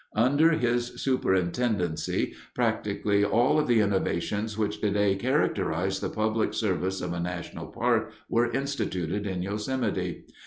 Under his superintendency practically all the innovations which today characterize the public service of a national park were instituted in Yosemite.